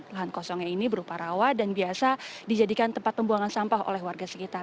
lahan kosongnya ini berupa rawa dan biasa dijadikan tempat pembuangan sampah oleh warga sekitar